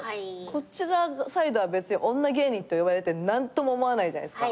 こちらサイドは別に女芸人と呼ばれて何とも思わないじゃないですか。